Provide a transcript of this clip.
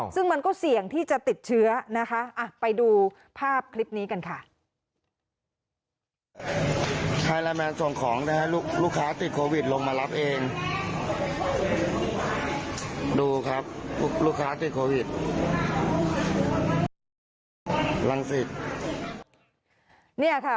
ซึ่งมันก็เสี่ยงที่จะติดเชื้อนะคะไปดูภาพคลิปนี้กันค่ะ